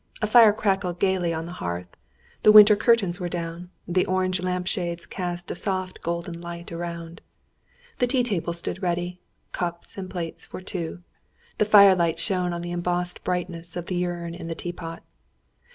A fire crackled gaily on the hearth. The winter curtains were drawn; the orange lampshades cast a soft golden light around. The tea table stood ready cups and plates for two. The firelight shone on the embossed brightness of the urn and teapot.